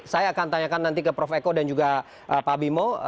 saya akan tanyakan nanti ke prof eko dan juga pak bimo